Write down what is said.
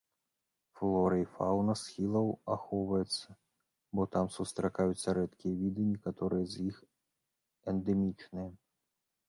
Флора і фаўна схілаў ахоўваецца, бо там сустракаюцца рэдкія віды, некаторыя з іх эндэмічныя.